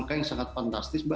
dari video yang pertama